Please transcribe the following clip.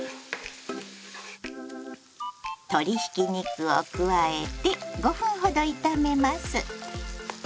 鶏ひき肉を加えて５分ほど炒めます。